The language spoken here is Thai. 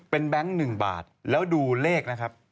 เป็นแบงค์๑บาทแล้วดูเลขนะครับ